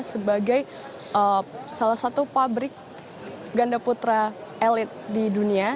sebagai salah satu pabrik ganda putra elit di dunia